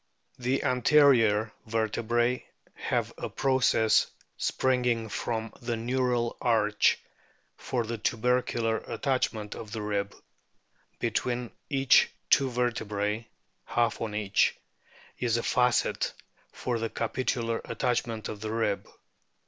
The anterior vertebras have a process springing from the neural arch for the tubercular attachment of the rib ; between each two vertebrae (half on each) is a facet for the capitular attachment of the rib.